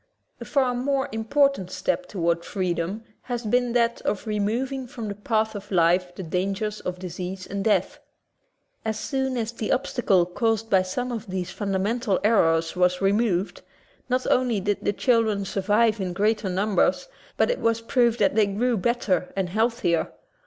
A far more important step toward freedom has been that of remov ing from the path of life the dangers of dis ease and death. As soon as the obstacle caused by some of these fundamental errors was removed, not only did the children survive in greater num bers, but it was proved that they grew better and healthier.